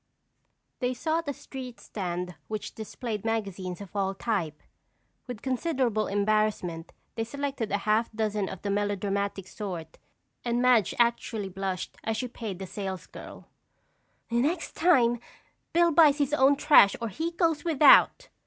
They sought a street stand which displayed magazines of all type. With considerable embarrassment they selected a half dozen of the melodramatic sort and Madge actually blushed as she paid the salesgirl. "The next time, Bill buys his own trash or he goes without!"